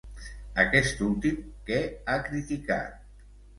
Aquest últim, què ha criticat?